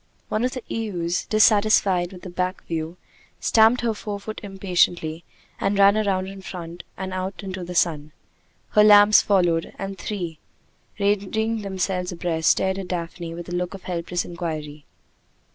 One of the ewes, dissatisfied with a back view, stamped her forefoot impatiently, and ran round in front, and out into the sun. Her lambs followed, and the three, ranging themselves abreast, stared at Daphne, with a look of helpless inquiry.